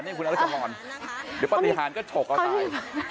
เดี๋ยวปฏิหารก็โฉลกเอาตาย